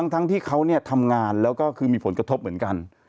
ที่เขาทำงานแล้วก็คือมีผลกระทบเหมือนกัน